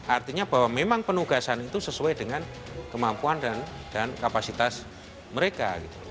artinya bahwa memang penugasan itu sesuai dengan kemampuan dan kapasitas mereka